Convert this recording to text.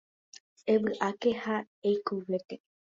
Evy'áke ha eikovéke.